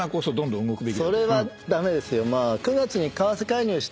それは駄目ですよ。